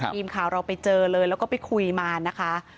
ทีมข่าวเราไปเจอเลยแล้วก็ไปคุยมานะคะ